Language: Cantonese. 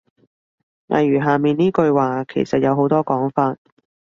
例如下面呢句話其實有好多講法